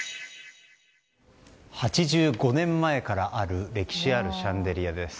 ８５年前からある歴史あるシャンデリアです。